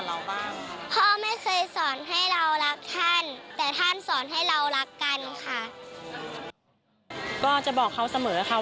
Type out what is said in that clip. ด้วยอาทิตย์มันจัดทีมากขึ้น